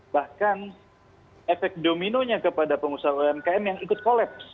bahkan efek dominonya kepada pengusaha umkm yang ikut kolaps